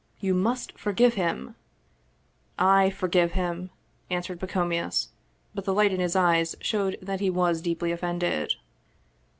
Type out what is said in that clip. " You must forgive him !"" I forgive him," answered Pacomius, but the light in his eye showed that he was deeply offended.